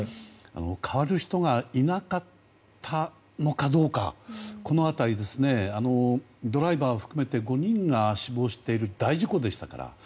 代わる人がいなかったのかどうかこの辺り、ドライバー含めて５人死亡している大事故でしたから。